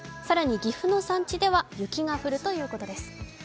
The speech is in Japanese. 更に岐阜の山地では雪が降るということです。